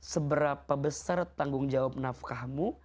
seberapa besar tanggung jawab nafkahmu